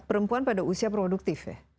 dan perempuan pada usia produktif ya